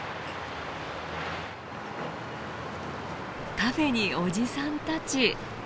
カフェにおじさんたち。